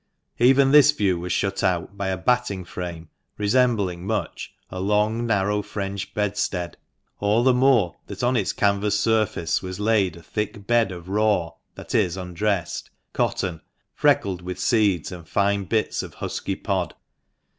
Even this view was shut out by a batting frame, resembling much a long, narrow French bedstead, all the more that on its canvas surface was laid a thick bed of raw (that is, undressed) cotton, freckled with seeds and fine bits of husky pod.